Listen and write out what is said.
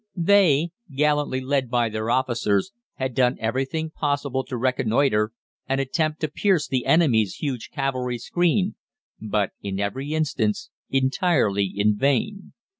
They, gallantly led by their officers, had done everything possible to reconnoitre and attempt to pierce the enemy's huge cavalry screen, but in every instance entirely in vain.